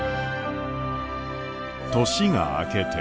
年が明けて。